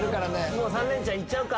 もう３レンチャンいっちゃうか。